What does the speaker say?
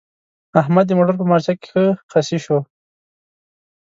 احمد د موټر په مارچه کې ښه خصي شو.